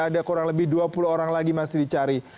ada kurang lebih dua puluh orang lagi masih dicari